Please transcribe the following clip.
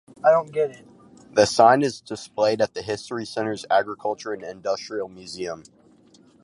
The sign is displayed at the History Center's Agricultural and Industrial Museum.